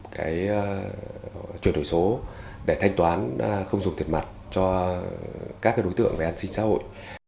đây là một truyền thổi số để thanh toán không dùng thiệt mặt cho các đối tượng về an sinh xã hội